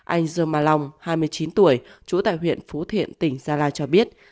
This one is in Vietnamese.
anh dương ma long hai mươi chín tuổi trú tại huyện phú thiện tỉnh gia lai cho biết